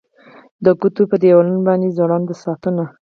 د کوټو په دیوالونو باندې ځوړند ساعتونه